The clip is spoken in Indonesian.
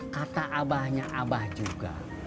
kata abahnya abah juga